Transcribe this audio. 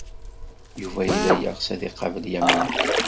Yuba yella yeɣs ad iqabel Yamina.